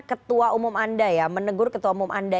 ketua umum anda ya menegur ketua umum anda